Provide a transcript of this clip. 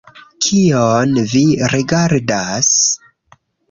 Kion vi rigardas?